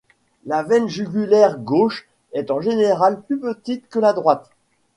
La veine jugulaire gauche est en général plus petite que la droite.